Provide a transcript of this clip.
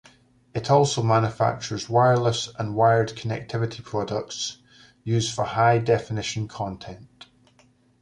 It also manufactures wireless and wired connectivity products used for high-definition content.